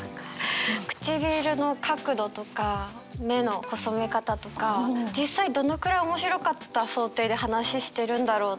くちびるの角度とか目の細め方とか実際どのくらい面白かった想定で話してるんだろうって。